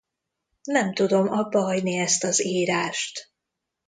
Nem tudom abbahagyni ezt az írást.